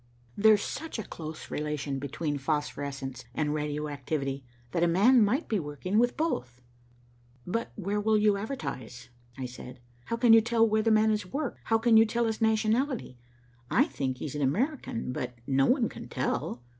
There's such a close relation between phosphorescence and radioactivity, that a man might be working with both." "But where will you advertise?" I said. "How can you tell where the man has worked? How can you tell his nationality? I think he is an American, but no one can tell."